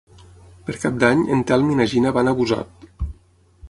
Per Cap d'Any en Telm i na Gina van a Busot.